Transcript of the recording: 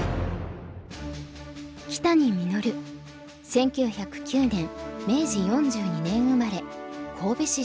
１９０９年明治４２年生まれ神戸市出身。